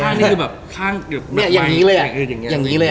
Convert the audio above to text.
ข้างนี้คือแบบข้างแบบแบบอย่างงี้เลยอ่ะอย่างงี้เลยอ่ะ